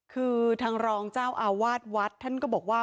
คือทางรองเจ้าอาวาสวัดท่านก็บอกว่า